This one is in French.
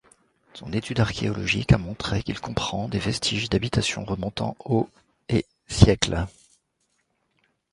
Son étude archéologique a montré qu'il comprend des vestiges d'habitations remontant au et siècles.